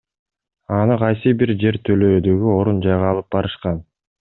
Аны кайсы бир жер төлөөдөгү орун жайга алып барышкан.